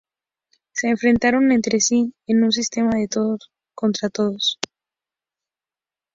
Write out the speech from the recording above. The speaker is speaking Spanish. Se enfrentaron entre sí en un sistema de todos contra todos.